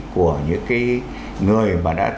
của những cái người mà đã trực tiếp cầm súng